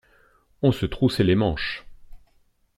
On se troussait les manches.